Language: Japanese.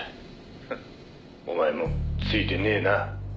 「フッお前もついてねえな」